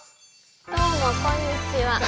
どうもこんにちは。